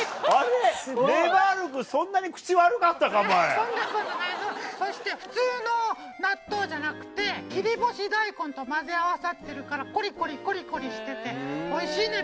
そんなことないそして普通の納豆じゃなくて切り干し大根と混ぜ合わさってるからコリコリコリコリしてておいしいネバよ。